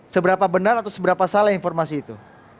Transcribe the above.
seberapa benar atau seberapa salah informasi itu